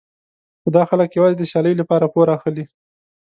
خو دا خلک یوازې د سیالۍ لپاره پور اخلي.